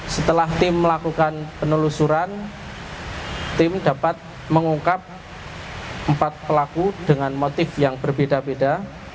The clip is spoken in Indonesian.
setelah tim melakukan penelusuran tim dapat mengungkap empat pelaku dengan motif yang berbeda beda